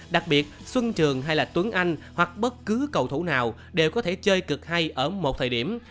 đặc biệt xuân trường hay là tuấn anh hoặc bất cứ cầu thủ nào đều có thể chơi cực hay ở một thời điểm